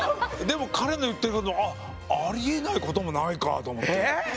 でも彼の言ってることもあっありえないこともないかと思って。